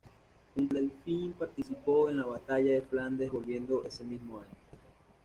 Junto al Delfín participó en la batalla de Flandes volviendo ese mismo año.